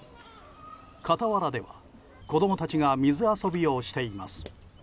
傍らでは子供たちが水遊びをしています。